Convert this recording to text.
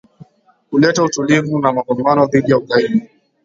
kuleta utulivu na mapambano dhidi ya ugaidi